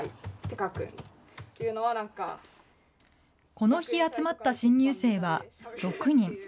この日、集まった新入生は６人。